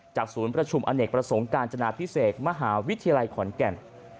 ศูนย์ประชุมอเนกประสงค์การจนาพิเศษมหาวิทยาลัยขอนแก่น